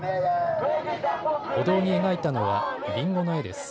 歩道に描いたのはリンゴの絵です。